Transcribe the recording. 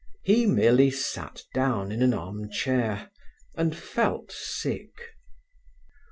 He merely sat down in an arm chair, and felt sick.